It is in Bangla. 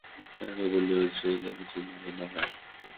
তাহাকে বলিও সে যেন চিন্তিত না হয়।